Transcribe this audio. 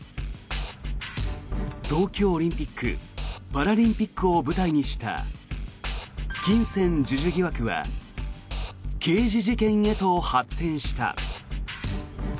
東京オリンピック・パラリンピックを舞台にした金銭授受疑惑は刑事事件へと発展した。